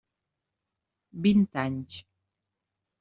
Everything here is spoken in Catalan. Vint anys.